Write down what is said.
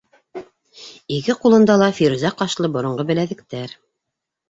Ике ҡулында ла фирүзә ҡашлы боронғо беләҙектәр.